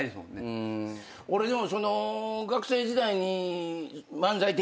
俺でも。